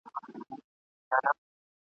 نه روپۍ به له جېبو څخه ورکیږي ..